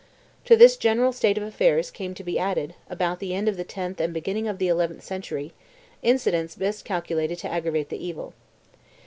To this general state of affairs came to be added, about the end of the tenth and beginning of the eleventh century, incidents best calculated to aggravate the evil.